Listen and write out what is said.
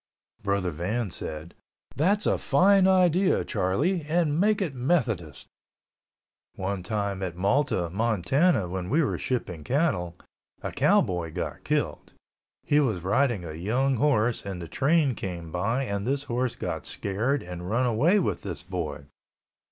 Brother Van said, "That's a fine idea, Charlie, and make it Methodist." One time at Malta, Montana, when we were shipping cattle, a cowboy got killed. He was riding a young horse and the train came by and this horse got scared and run away with this boy.